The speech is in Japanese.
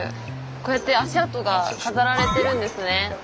こうやって足跡が飾られてるんですね。